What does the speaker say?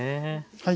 はい。